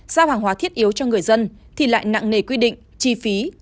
giao hàng hóa thiết yếu cho người dân thì lại nặng nề quy định chi phí